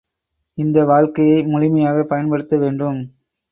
இந்த வாழ்க்கையை முழுமையாகப் பயன்படுத்த வேண்டும்.